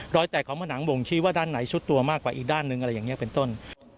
แตกของผนังบ่งชี้ว่าด้านไหนซุดตัวมากกว่าอีกด้านหนึ่งอะไรอย่างนี้เป็นต้น